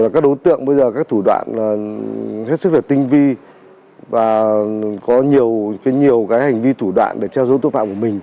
các đối tượng bây giờ các thủ đoạn hết sức tinh vi và có nhiều hành vi thủ đoạn để che giấu tội phạm của mình